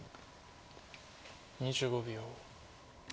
２５秒。